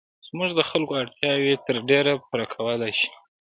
زموږ د خلکو اړتیاوې تر ډېره پوره کولای شي.